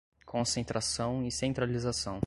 Concentração e centralização